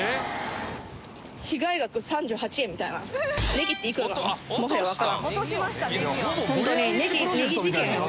ネギっていくらなの？